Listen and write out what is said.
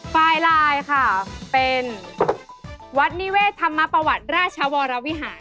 เป็นวัดนิเวทธรรมปวัตรราชวรวิหาร